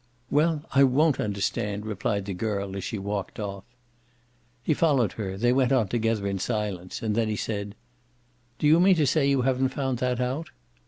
"Well, I won't understand!" replied the girl as she walked off. He followed her; they went on together in silence and then he said: "Do you mean to say you haven't found that out?"